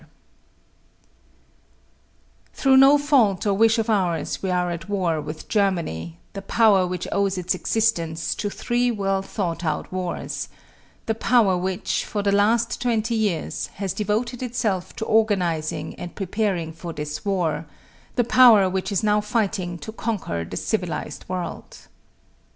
Through no fault nor wish of ours we are at war with Germany, the power which owes its existence to three well thought out wars; the power which, for the last twenty years, has devoted itself to organizing and preparing for this war; the power which is now fighting to conquer the civilized world.